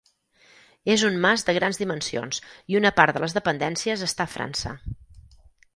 És un mas de grans dimensions i una part de les dependències està a França.